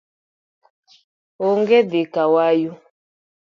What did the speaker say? Onge dhi kawayu